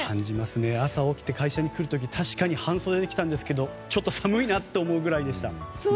朝起きて、会社に来る時確かに半袖で来たんですけどちょっと寒いなと思うくらいでした。